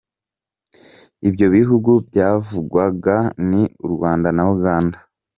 Ibyo bihugu byavugwaga ni u Rwanda na Uganda.